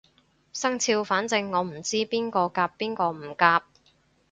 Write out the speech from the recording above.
生肖反正我唔知邊個夾邊個唔夾